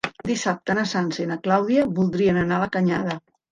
Dissabte na Sança i na Clàudia voldrien anar a la Canyada.